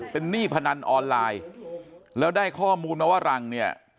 เป็นหนี้พนันออนไลน์แล้วได้ข้อมูลมาว่ารังเนี่ย